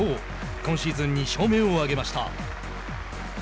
今シーズン２勝目を挙げました。